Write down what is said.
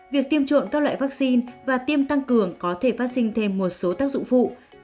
việc tiêm trộm các loại vaccine và tiêm tăng cường có thể phát sinh thêm một số tác dụng phụ